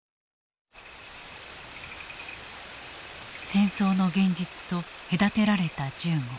戦争の現実と隔てられた銃後。